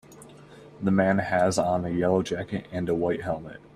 The man has on a yellow jacket and a white helmet.